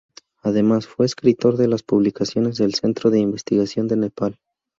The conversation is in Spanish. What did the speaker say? Además, fue editor de las publicaciones del Centro de Investigación de Nepal.